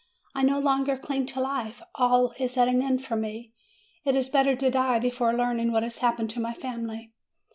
I no longer cling to life. All is at an end for me. It is better to die before learning what has hap pened to my family."